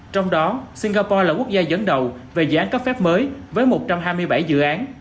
trong đó singapore là quốc gia dẫn đầu về dự án cấp phép mới với một trăm hai mươi bảy dự án